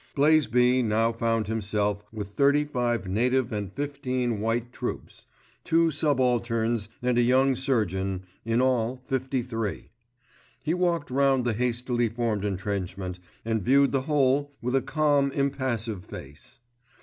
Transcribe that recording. Blaisby now found himself with thirty five native and fifteen white troops, two subalterns and a young surgeon, in all fifty three. He walked round the hastily formed entrenchment and viewed the whole with a calm impassive face.